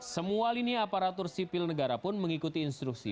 semua lini aparatur sipil negara pun mengikuti instruksi